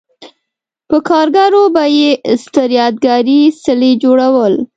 په کارګرو به یې ستر یادګاري څلي جوړول